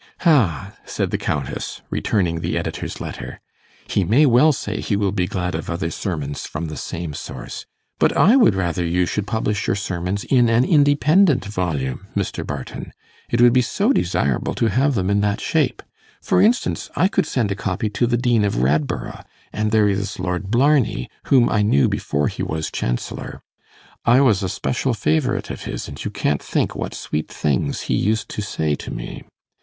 'Ah,' said the Countess, returning the editor's letter, 'he may well say he will be glad of other sermons from the same source. But I would rather you should publish your sermons in an independent volume, Mr. Barton; it would be so desirable to have them in that shape. For instance, I could send a copy to the Dean of Radborough. And there is Lord Blarney, whom I knew before he was chancellor. I was a special favourite of his, and you can't think what sweet things he used to say to me.